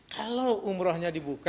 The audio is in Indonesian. kalau umrohnya dibuka